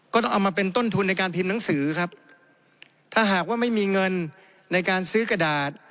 ต้องเอามาเป็นต้นทุนในการพิมพ์หนังสือครับถ้าหากว่าไม่มีเงินในการซื้อกระดาษ